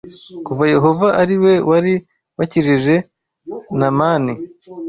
kuko Yehova ari we wari wakijije Namani.